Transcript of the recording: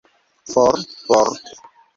For, for!